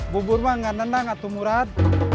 bubur mah gak nena gak tumuran